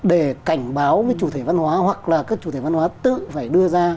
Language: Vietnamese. để cảnh báo với chủ thể văn hóa hoặc là các chủ thể văn hóa tự phải đưa ra